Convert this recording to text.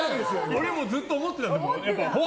俺もずっと思ってたの。